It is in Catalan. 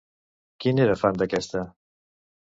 Qui n'era fan d'aquesta?